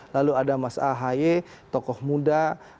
lalu ada mas a haye tokoh muda